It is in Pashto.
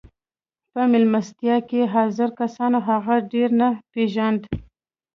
په مېلمستیا کې حاضرو کسانو هغه ډېر نه پېژانده